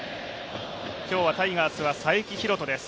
今日はタイガースは才木浩人です。